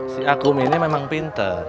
si akum ini memang pinter